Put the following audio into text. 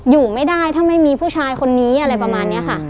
อยู่ไม่ได้ถ้าไม่มีผู้ชายคนนี้อะไรประมาณนี้ค่ะ